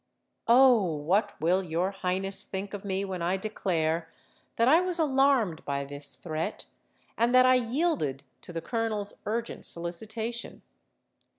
"Oh! what will your Highness think of me when I declare that I was alarmed by this threat, and that I yielded to the colonel's urgent solicitation!